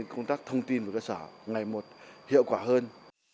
công tác thông tin của cơ sở ngày một hiệu quả hơn